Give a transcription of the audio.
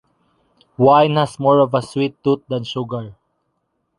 Wine has more of a sweet-tooth than sugar.